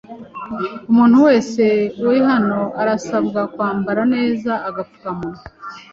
Umuntu wese uri hano arasabwa kwambara neza agapfukamunwa?